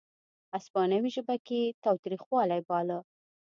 هسپانوي ژبه کې یې تاوتریخوالی باله.